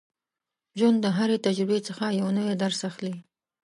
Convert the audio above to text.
ژوند د هرې تجربې څخه یو نوی درس اخلي.